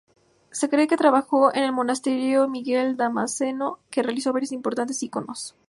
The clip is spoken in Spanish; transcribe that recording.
Se cree que trabajó en el monasterio Miguel Damasceno, que realizó varios importantes iconos.